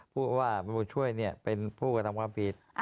บุญช่วยเนี่ยเป็นผู้กระทำความผิด